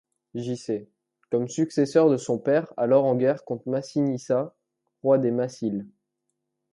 J-.C., comme successeur de son père alors en guerre contre Massinissa, roi des Massyles.